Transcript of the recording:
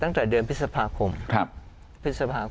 ทำจ่ายตั้งจากเดือนพฤษภาพม